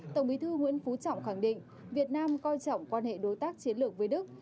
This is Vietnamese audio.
tổng bí thư nguyễn phú trọng khẳng định việt nam coi trọng quan hệ đối tác chiến lược với đức